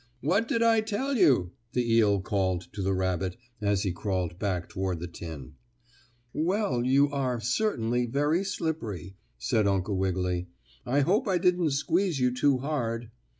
"What did I tell you?" the eel called to the rabbit, as he crawled back toward the tin. "Well, you are certainly very slippery," said Uncle Wiggily. "I hope I didn't squeeze you too hard."